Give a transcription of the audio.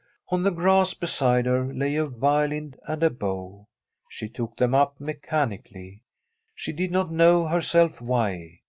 On the grass beside her lay a violin and a bow. She took them up mechanically — she did not know herself why.